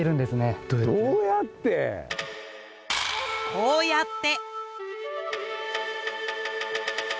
こうやって。